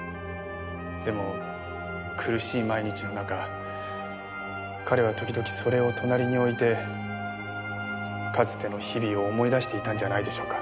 でも苦しい毎日の中彼は時々それを隣に置いてかつての日々を思い出していたんじゃないでしょうか。